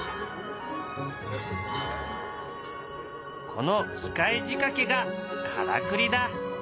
この機械仕掛けがからくりだ。